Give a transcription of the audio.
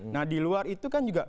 nah di luar itu kan juga